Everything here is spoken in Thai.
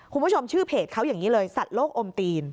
คุณผู้ชมชื่อเพจเขาอย่างนี้เลยสัตว์โลกอมตีน